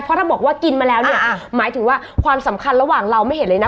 เพราะถ้าบอกว่ากินมาแล้วเนี่ยหมายถึงว่าความสำคัญระหว่างเราไม่เห็นเลยนะ